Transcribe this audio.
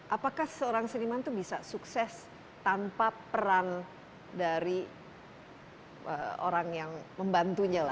apakah seorang seniman itu bisa sukses tanpa peran dari orang yang membantunya lah